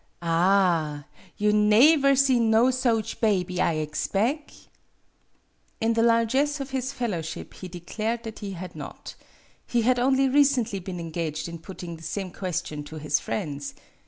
" Ah ! You naever seen no soach bebby, I egspeg?" In the largess of his fellowship he de clared that he had not. He had only recently been engaged in putting the same question to his friends.